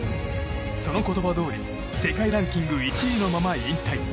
その言葉どおり世界ランキング１位のまま引退。